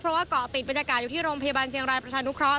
เพราะว่าเกาะติดบรรยากาศอยู่ที่โรงพยาบาลเชียงรายประชานุเคราะ